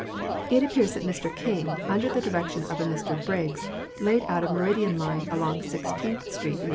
It appears that Mr King, under the direction of a Mr Briggs, laid out a meridian line along Sixteenth street in 1804.